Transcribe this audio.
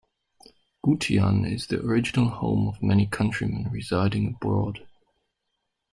Gutian is the original home of many countrymen residing abroad.